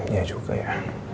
ya juga ya